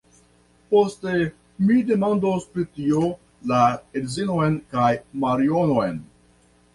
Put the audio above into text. Poste mi demandos pri tio la edzinon kaj Marionon.